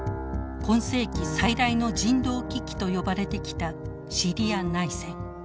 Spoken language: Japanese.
今世紀最大の人道危機と呼ばれてきたシリア内戦。